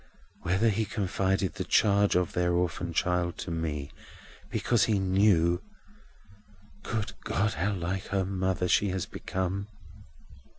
whether he confided the charge of their orphan child to me, because he knew—Good God, how like her mother she has become!"